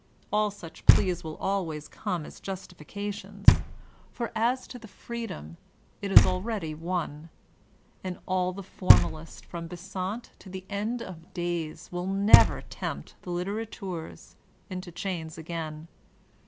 All such pleas will always come as justifications, for as to the freedom it is already won, and all the formalists from Besant to the end of days will never tempt the littera teurs into chains again.